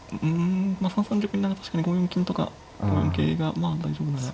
３三玉になら確かに５四金とか５四桂がまあ大丈夫なら。